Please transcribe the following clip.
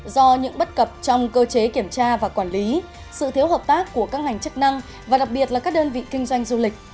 do những bất cập trong cơ chế kiểm tra và quản lý sự thiếu hợp tác của các ngành chức năng và đặc biệt là các đơn vị kinh doanh du lịch